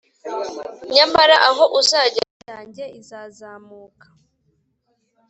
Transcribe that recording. nyamara aho uzajya roho yanjye izazamuka.